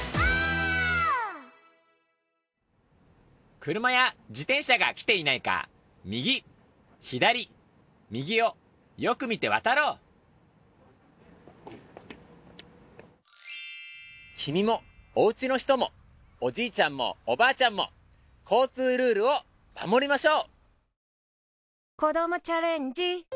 クルマや自転車が来ていないか右左右をよく見て渡ろう君もおうちの人もおじいちゃんもおばあちゃんも交通ルールを守りましょう。